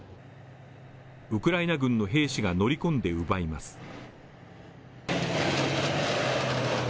ウクライナ軍の兵士が乗り込んで奪います。